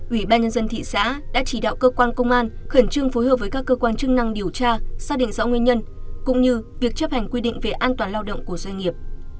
ủy ban nhân dân thị xã đã chỉ đạo cơ quan công an khẩn trương phối hợp với các cơ quan chức năng điều tra xác định rõ nguyên nhân cũng như việc chấp hành quy định về an toàn lao động của doanh nghiệp